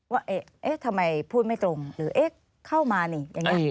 ว่าเอ๊ะทำไมพูดไม่ตรงหรือเอ๊ะเข้ามานี่อย่างนี้